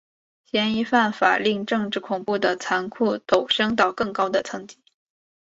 嫌疑犯法令使政治恐怖的残酷陡升到更高的层级。